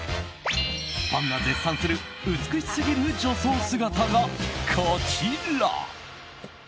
ファンが絶賛する美しすぎる女装姿がこちら。